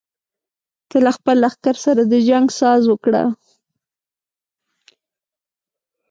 ته له خپل لښکر سره د جنګ ساز وکړه.